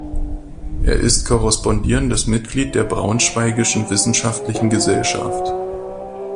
Er ist korrespondierendes Mitglied der Braunschweigischen Wissenschaftlichen Gesellschaft.